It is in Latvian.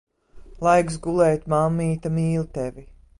Laiks gulēt. Mammīte mīl tevi.